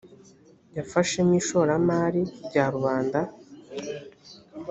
yafashemo ishoramari rya rubanda